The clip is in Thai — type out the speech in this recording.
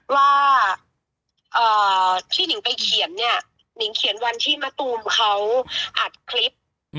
ว่าที่หนิงไปเขียนเนี่ยนิงเขียนวันที่มะตูมเขาอัดคลิป